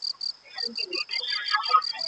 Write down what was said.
艾辛格毁灭之战的其中一个重要事件。